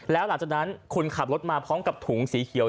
แล้วหลังจากนั้นคุณขับรถมาพร้อมกับถุงสีเขียว